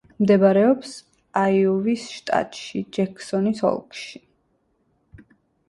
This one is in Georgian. მდებარეობს აიოვის შტატში, ჯექსონის ოლქში.